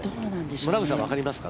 村口さんわかりますか？